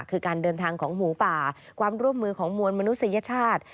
คือการเดินทางของหมูป่าความร่วมมือของมวลมนุษยชาติ